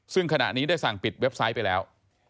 ซึ่งขณะนี้ได้สั่งปิดเว็บไซต์ไปแล้ว